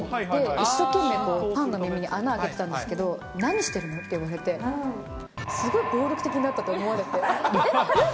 一生懸命、パンの耳に穴開けてたんですけど、何してんの？って言われて、すごい暴力的になったと思われて。